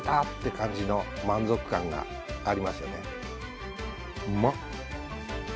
って感じの満足感がありますよね。